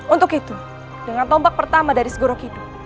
untuk itu dengan tombak pertama dari segorokido